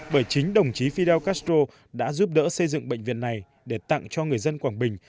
bởi chính đồng chí fidel castro đã giúp đỡ xây dựng bệnh viện này để tặng cho người dân quảng bình